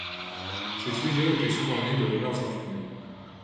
Ces sujets étaient souvent nés de rumeurs infondées.